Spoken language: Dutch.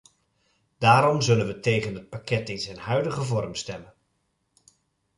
Daarom zullen we tegen het pakket in zijn huidige vorm stemmen.